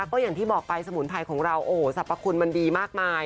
ก็อย่างที่บอกไปสมุนไพรของเราโอ้โหสรรพคุณมันดีมากมาย